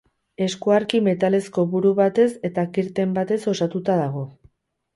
Eskuarki metalezko buru batez eta kirten batez osatua dago.